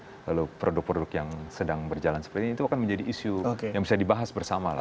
lalu produk produk yang sedang berjalan seperti itu akan menjadi isu yang bisa dibahas bersama lah